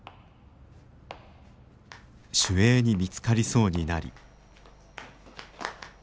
守衛に見つかりそうになり。